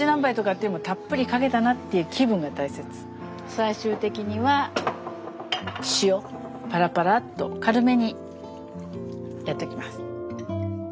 最終的には塩パラパラっと軽めにやっときます。